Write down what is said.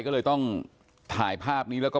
ก็เลยต้องถ่ายภาพนี้แล้วก็